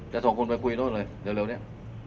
จะส่งคนไปคุยโน้นเลยเดี๋ยวเนี่ย